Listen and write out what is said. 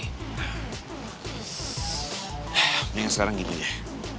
ya mendingan sekarang gitu deh